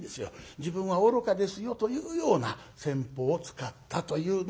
自分は愚かですよというような戦法を使ったというのが本当らしい。